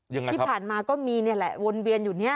ยังไงที่ผ่านมาก็มีนี่แหละวนเวียนอยู่เนี่ย